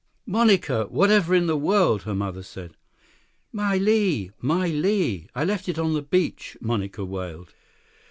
"Monica! Whatever in the world!" her mother said. "My lei! My lei! I left it on the beach!" Monica wailed.